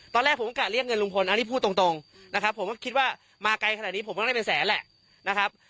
ตอนแรกผมก็กะเรียกเงินลุงพลอันนี้พูดตรงนะครับผมก็คิดว่ามาไกลขนาดนี้ผมก็ได้เป็นแสนแหละนะครับ